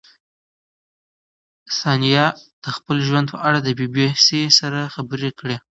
ثانیه د خپل ژوند په اړه د بي بي سي سره خبرې کړې.